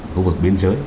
khu vực biên giới